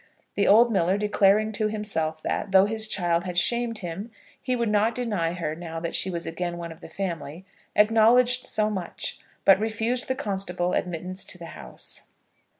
The old miller, declaring to himself that, though his child had shamed him, he would not deny her now that she was again one of the family, acknowledged so much, but refused the constable admittance to the house.